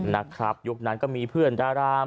นะครับยุคนั้นก็มีเพื่อนดาราม